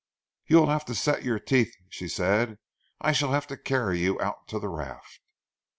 "You will have to set your teeth," she said, "I shall have to carry you out to the raft."